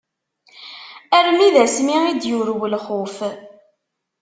Armi d asmi d-yurew lxuf.